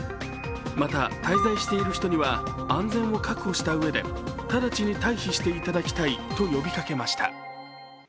また、滞在している人には安全を確保したうえで直ちに退避していただきたいと呼びかけました。